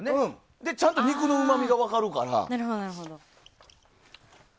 で、ちゃんと肉のうまみが分かるから。